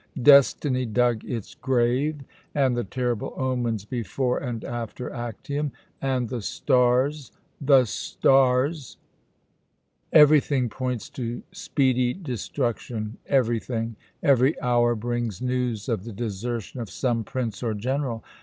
Destiny dug its grave. And the terrible omens before and after Actium, and the stars the stars! Everything points to speedy destruction, everything! Every hour brings news of the desertion of some prince or general.